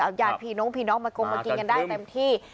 เอาหยาดพี่นกพี่นอกมาโกมกินกันได้เต็มที่